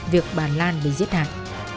việc bà lan bị giết hại